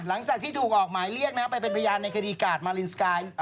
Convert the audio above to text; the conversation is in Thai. หลังจากที่ถูกออกหมายเรียกไปเป็นพยานในคดีกาดมารินสกาย